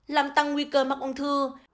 làm tăng nguy cơ mắc ung thư